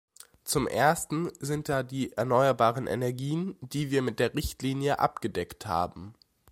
Zum Ersten sind da die erneuerbaren Energien, die wir mit der Richtlinie abgedeckt haben.